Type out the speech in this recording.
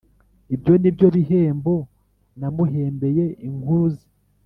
Ibyo ni byo bihembo namuhembeye inkuru ze.